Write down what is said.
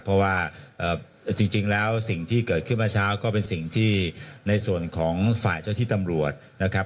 เพราะว่าจริงแล้วสิ่งที่เกิดขึ้นเมื่อเช้าก็เป็นสิ่งที่ในส่วนของฝ่ายเจ้าที่ตำรวจนะครับ